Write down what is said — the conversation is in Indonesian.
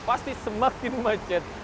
pasti semakin macet